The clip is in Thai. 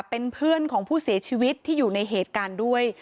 เป็นเพื่อนของผู้เสียชีวิตที่อยู่ในเหตุการณ์ด้วย